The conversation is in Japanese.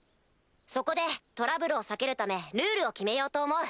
そこでトラブルを避けるためルールを決めようと思う。